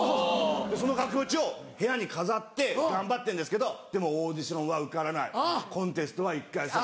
その額縁を部屋に飾って頑張ってんですけどでもオーディションは受からないコンテストは１回戦落ち。